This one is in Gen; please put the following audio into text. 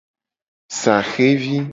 Saxe vi.